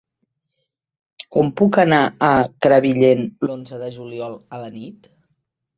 Com puc anar a Crevillent l'onze de juliol a la nit?